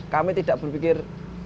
kami tidak berpikir